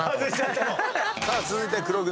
さあ続いては黒組。